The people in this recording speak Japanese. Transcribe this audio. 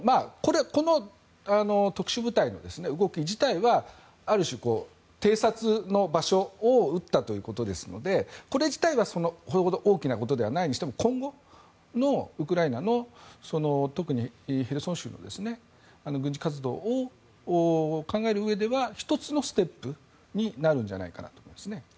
この特殊部隊の動き自体はある種、偵察の場所を撃ったということですのでこれ自体はそれほど大きいことではないにしても今後のウクライナの特にヘルソン州の軍事活動を考えるうえでは１つのステップになるんじゃないかなと思います。